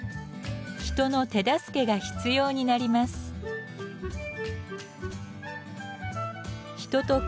人の手助けが必要になります。